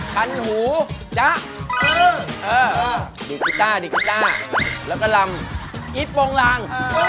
สันหูจะเออดิกิต้าแล้วก็รำอิปลงรัง